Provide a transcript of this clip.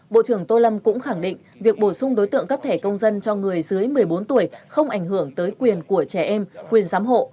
bộ trưởng tô lâm cũng khẳng định việc bổ sung đối tượng cấp thẻ công dân cho người dưới một mươi bốn tuổi không ảnh hưởng tới quyền của trẻ em quyền giám hộ